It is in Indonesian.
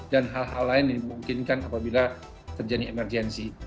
dan hal hal lain yang dimungkinkan apabila terjadi emergensi